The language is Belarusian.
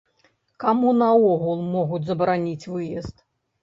Каму наогул могуць забараніць выезд?